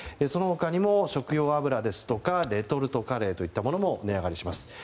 その他にも、食用油ですとかレトルトカレーといったものも値上がりします。